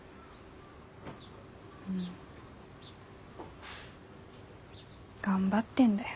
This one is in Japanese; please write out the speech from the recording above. うん。頑張ってんだよ。